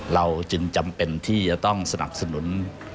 เราจึงจำเป็นที่จะต้องสนับสนุน